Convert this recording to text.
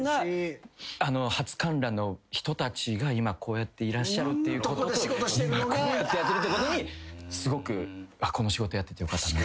初観覧の人たちが今こうやっていらっしゃるっていうことと今こうやってやってるってことにすごくこの仕事やっててよかったな。